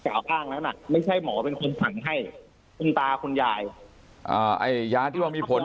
อ้างนั้นน่ะไม่ใช่หมอเป็นคนสั่งให้คุณตาคุณยายไอ้ยาที่ว่ามีผล